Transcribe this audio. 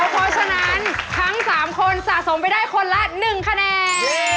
เพราะฉะนั้นทั้ง๓คนสะสมไปได้คนละ๑คะแนน